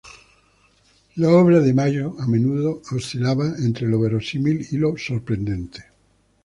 La obra de Mayo a menudo oscilaba entre lo verosímil y lo sorprendente.